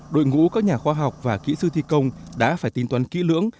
đội ngũ các nhà khoa học và kỹ sư thi công đã phải tính toán kỹ lưỡng